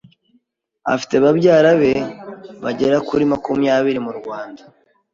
afite babyara be bagera kuri makumyabiri mu Rwanda